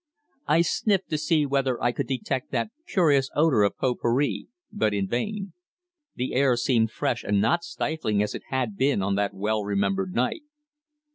I sniffed to see whether I could detect that curious odour of pot pourri, but in vain. The air seemed fresh and not stifling as it had been on that well remembered night.